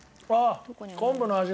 昆布の味がする。